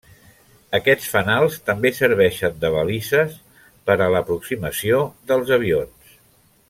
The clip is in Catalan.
Aquests fanals també serveixen de balises per a l'aproximació dels avions.